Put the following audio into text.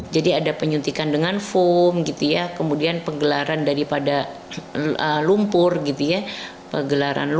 jadi ada penyuntikan dengan foam kemudian penggelaran daripada lumpur